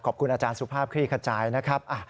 ขอบคุณอาจารย์สุภาพคลี่ขจายนะครับ